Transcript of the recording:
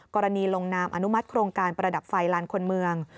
กรณีลงนามอนุมัติโครงการประดับไฟลานคนเมือง